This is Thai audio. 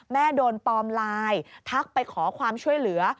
โดนปลอมไลน์ทักไปขอความช่วยเหลือ